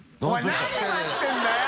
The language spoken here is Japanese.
何待ってるんだよ！